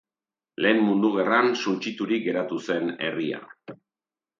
Lehen Mundu Gerran, suntsiturik gertatu zen herria.